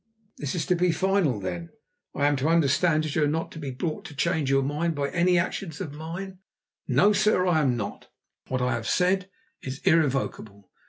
"This is to be final, then? I am to understand that you are not to be brought to change your mind by any actions of mine?" "No, sir, I am not! What I have said is irrevocable.